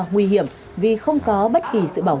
nguy hiểm vì không có bất kỳ sự bảo vệ